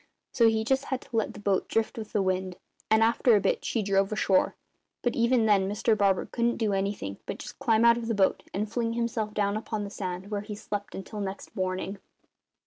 So he just had to let the boat drift with the wind; and after a bit she drove ashore. But even then Mr Barber couldn't do anything but just climb out of the boat and fling himself down upon the sand, where he slept until next morning.